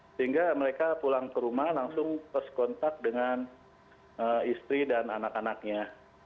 sehingga mereka pulang ke rumah langsung terus kontak dengan istri dan anak anaknya